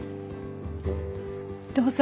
どうぞ。